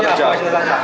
ya bawa senjata tajam